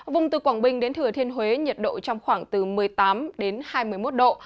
vùng từ quảng bình đến thừa thiên huế nhiệt độ trong khoảng từ một mươi tám đến hai mươi một độ